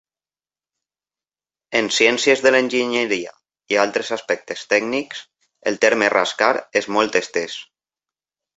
En ciències de l'enginyeria i altres aspectes tècnics, el terme rascar és molt estès.